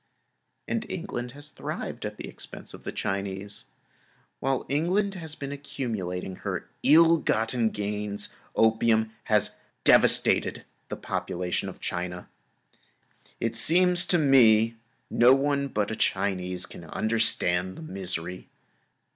And England has thrived at the expense of the Chinese. While England has been accumulating her ill gotten gains, opium has devastated the population of China. It seems to me that no one but a Chinese can understand the misery.